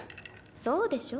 そうでしょ？